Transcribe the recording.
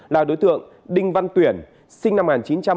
là đối tượng đinh văn tuyển sinh năm một nghìn chín trăm bảy mươi tám